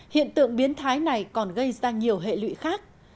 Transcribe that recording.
hiện tượng biến thái này còn gây ra nhiều hệ lụy khác